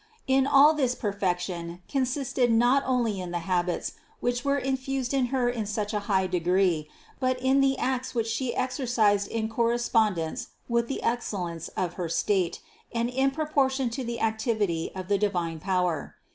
And all this perfection con sisted not only in the habits, which were infused in Her in such a high degree; but in the acts which She exer cised in correspondence with the excellence of her state and in proportion to the activity of the divine power.